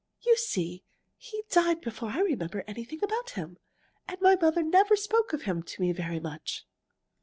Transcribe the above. You see, he died before I remember anything about him, and my mother never spoke of him to me very much."